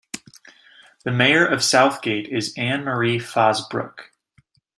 The mayor of Southgate is Anna Marie Fosbrooke.